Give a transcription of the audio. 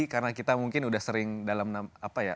karena kita mungkin udah sering dalam apa ya